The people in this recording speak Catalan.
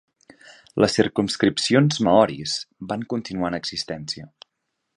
Les circumscripcions maoris van continuar en existència.